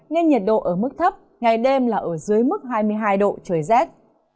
nên nhiệt độ ở mức thấp ngày đêm là ở dưới mức hai mươi hai độ trời rét